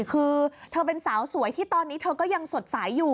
คือเธอเป็นสาวสวยที่ตอนนี้เธอก็ยังสดใสอยู่